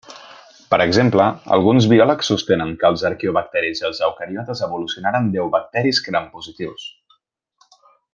Per exemple, alguns biòlegs sostenen que els arqueobacteris i els eucariotes evolucionaren d'eubacteris grampositius.